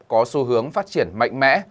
có xu hướng phát triển mạnh mẽ